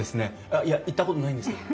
あっいや行ったことないんですけど。